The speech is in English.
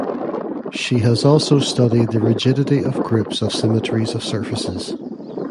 She has also studied the rigidity of groups of symmetries of surfaces.